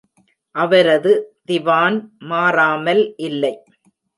அவரது "திவான்" மாறாமல் இல்லை.